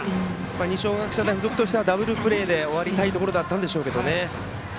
二松学舎大付属としてはダブルプレーで終わりたかったでしょうけど。